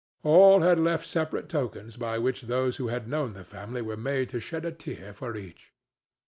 All had left separate tokens by which those who had known the family were made to shed a tear for each.